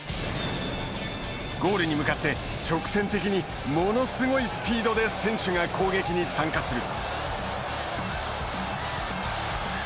ゴールに向かって、直線的にものすごいスピードで選手が攻撃に参加する。